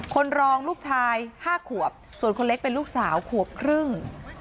คนรองลูกชาย๕ขวบส่วนคนเล็กเป็นลูกสาวขวบครึ่ง